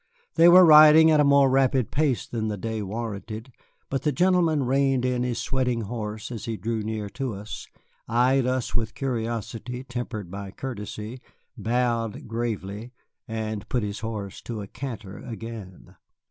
They were riding at a more rapid pace than the day warranted, but the gentleman reined in his sweating horse as he drew near to us, eyed us with a curiosity tempered by courtesy, bowed gravely, and put his horse to a canter again.